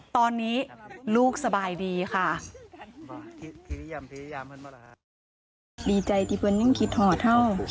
ตอนนี้ลูกสบายดีค่ะ